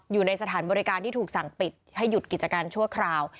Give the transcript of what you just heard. อยู่ในสถานบริการที่ถูกสั่งปิดให้หยุดกิจการชั่วคราว